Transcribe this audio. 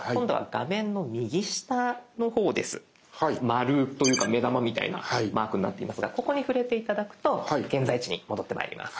丸というか目玉みたいなマークになっていますがここに触れて頂くと現在地に戻ってまいります。